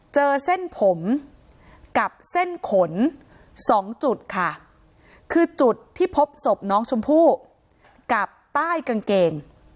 เส้นผมกับเส้นขนสองจุดค่ะคือจุดที่พบศพน้องชมพู่กับใต้กางเกง